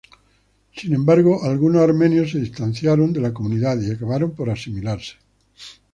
Sin embargo, algunos armenios se distanciaron de la comunidad y acabaron por asimilarse.